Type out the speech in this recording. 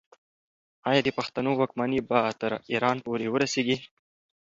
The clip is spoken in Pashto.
آیا د پښتنو واکمني به تر ایران پورې ورسیږي؟